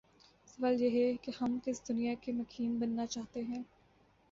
سوال یہ ہے کہ ہم کس دنیا کے مکین بننا چاہتے ہیں؟